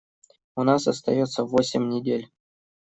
У нас остается восемь недель.